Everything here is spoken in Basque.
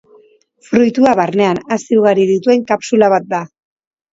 Fruitua barnean hazi ugari dituen kapsula bat da.